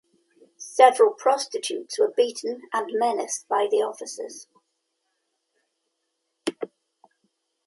Several prostitutes were beaten and menaced by the officers.